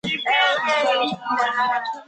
在场上的位置是边锋或前锋。